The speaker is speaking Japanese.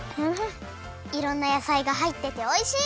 いろんなやさいがはいってておいしい！